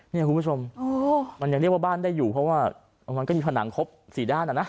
เนี่ยคุณผู้ชมมันยังเรียกว่าบ้านได้อยู่เพราะว่ามันก็มีผนังครบสี่ด้านอ่ะนะ